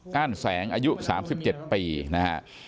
ก้านแสงอายุ๓๗ปีนะครับ